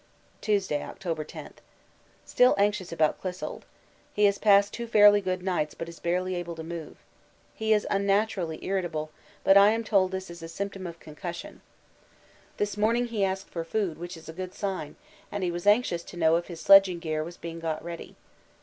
Tuesday, October 10. Still anxious about Clissold. He has passed two fairly good nights but is barely able to move. He is unnaturally irritable, but I am told this is a symptom of concussion. This morning he asked for food, which is a good sign, and he was anxious to know if his sledging gear was being got ready.